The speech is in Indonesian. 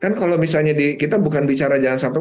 kan kalau misalnya kita bukan bicara jalan sampel